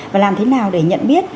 và làm thế nào để nhận biết